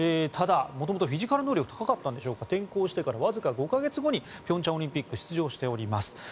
ただもともとフィジカル能力高かったんでしょうか転向してからわずか５か月後に平昌オリンピックに出場しております。